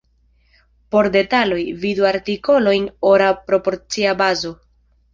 Por detaloj, vidu artikolojn ora proporcia bazo.